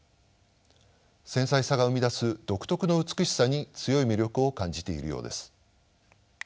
繊細さが生み出す独特の美しさに強い魅力を感じているようです。